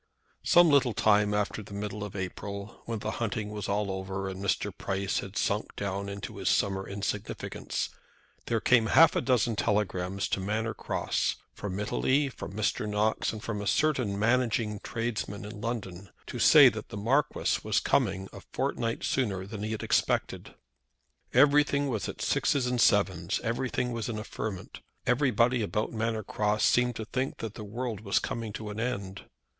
Some little time after the middle of April, when the hunting was all over, and Mr. Price had sunk down into his summer insignificance, there came half a dozen telegrams to Manor Cross, from Italy, from Mr. Knox, and from a certain managing tradesman in London, to say that the Marquis was coming a fortnight sooner than he had expected. Everything was at sixes and sevens. Everything was in a ferment. Everybody about Manor Cross seemed to think that the world was coming to an end.